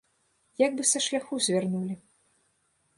Як бы са шляху звярнулі.